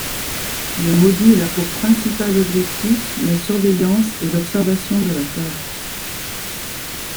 Le module a pour principal objectif la surveillance et l'observation de la Terre.